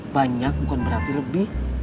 banyak bukan berarti lebih